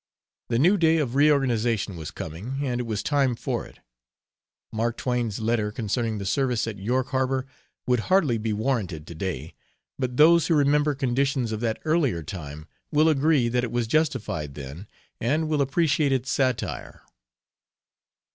The new day of reorganization was coming, and it was time for it. Mark Twain's letter concerning the service at York Harbor would hardly be warranted today, but those who remember conditions of that earlier time will agree that it was justified then, and will appreciate its satire.